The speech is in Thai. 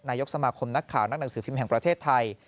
นายกสมาคมนักข่าวนักหนังสือพิมพ์แห่งประเทศไทย